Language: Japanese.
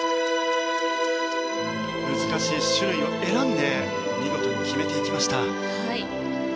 難しい種類を選んで見事に決めていきました。